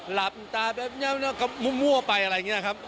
หลับตาแบบนี้แล้วก็มั่วไปอะไรอย่างนี้นะครับ